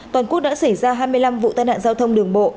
toàn quốc đã xảy ra hai mươi năm vụ tai nạn giao thông đường bộ